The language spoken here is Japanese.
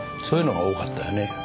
そういうのが多かったよね。